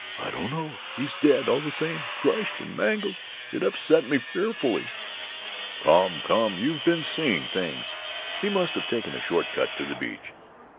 "I don't know; he's dead all the same — crushed and mangled — it upset me fearfully." "Come, come — you've been seeing things; he must have taken a short cut to the beach."